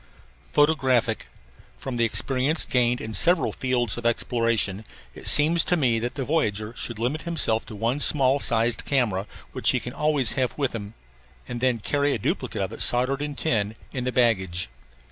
PHOTOGRAPHIC From the experience gained in several fields of exploration it seems to me that the voyager should limit himself to one small sized camera, which he can always have with him, and then carry a duplicate of it, soldered in tin, in the baggage.